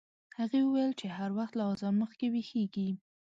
هغې وویل چې هر وخت له اذان مخکې ویښیږي.